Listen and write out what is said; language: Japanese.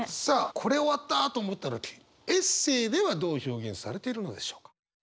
「これ終わった」と思った時エッセーではどう表現されているのでしょうか。